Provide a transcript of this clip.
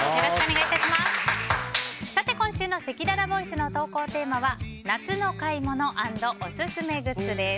今週のせきららボイスの投稿テーマは夏の買い物＆オススメグッズです。